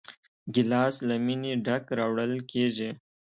ګیلاس له مینې ډک راوړل کېږي.